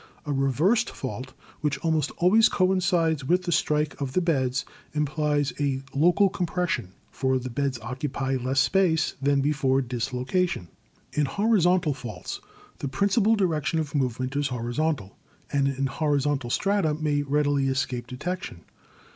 A reversed fault, which almost always coincides with the strike of the beds, implies a local compression, for the beds occupy less space than before dislocation. In Horizontal Faults the principal direction of move ment is horizontal, and in horizontal strata may readily escape detection.